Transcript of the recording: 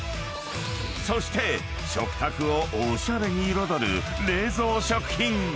［そして食卓をおしゃれに彩る冷蔵食品］